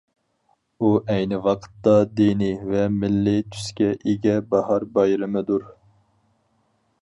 بۇ ئەينى ۋاقىتتا دىنىي ۋە مىللىي تۈسكە ئىگە باھار بايرىمىدۇر.